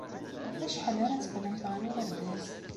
Ɣef wacḥal ara teqqlemt ɣer uɣerbaz?